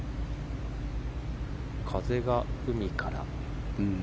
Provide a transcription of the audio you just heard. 風が海から。